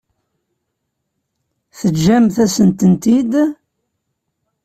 Teǧǧamt-asent-tent-id?